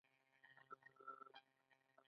د کلماتو اهنګ باید غوږ ته ښه ولګیږي.